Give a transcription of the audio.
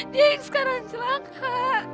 dia yang sekarang celaka